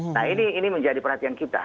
nah ini menjadi perhatian kita